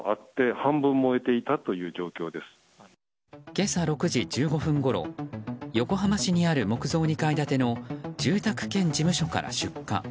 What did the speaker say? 今朝６時１５分ごろ横浜市にある木造２階建ての住宅兼事務所から出火。